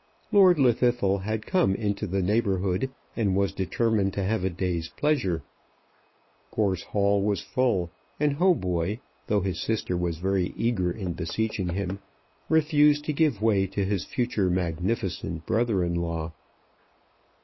Lord Llwddythlw had come into the neighbourhood, and was determined to have a day's pleasure. Gorse Hall was full, and Hautboy, though his sister was very eager in beseeching him, refused to give way to his future magnificent brother in law.